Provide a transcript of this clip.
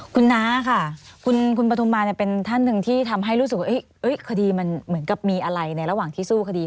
คุณน้าค่ะคุณปฐุมมาเป็นท่านหนึ่งที่ทำให้รู้สึกว่าคดีมันเหมือนกับมีอะไรในระหว่างที่สู้คดี